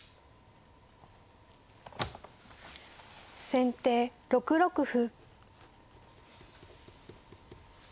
先手６六歩。